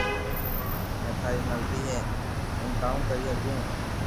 ھمي ٿاري مرزي ھي ھون ڪاو ڪري ھگو